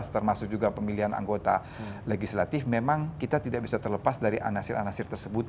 termasuk juga pemilihan anggota legislatif memang kita tidak bisa terlepas dari anasir anasir tersebut